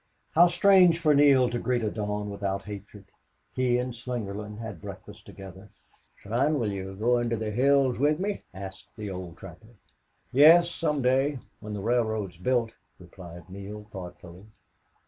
How strange for Neale to greet a dawn without hatred! He and Slingerland had breakfast together. "Son, will you go into the hills with me?" asked the old trapper. "Yes, some day, when the railroad's built," replied Neale, thoughtfully.